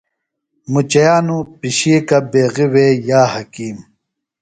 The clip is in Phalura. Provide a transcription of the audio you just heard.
مُچِیانوۡ پِشیکہ بیغیۡ وے یا حکیم۔